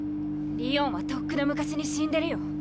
りおんはとっくの昔に死んでるよ。